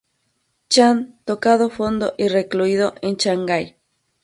Chan tocado fondo y recluido en Shanghai.